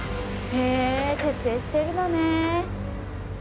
へえ徹底してるのね！